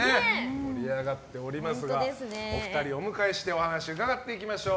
盛り上がっておりますがお二人をお迎えしてお話を伺っていきましょう。